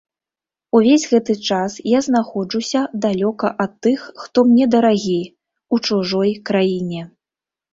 Увесь гэты час я знаходжуся далёка ад тых, хто мне дарагі, у чужой краіне.